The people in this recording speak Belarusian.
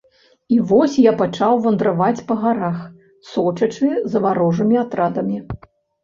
І вось я пачаў вандраваць па гарах, сочачы за варожымі атрадамі.